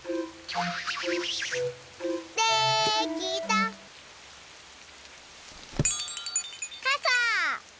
できた！かさ！